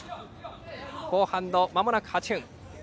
後半のまもなく８分。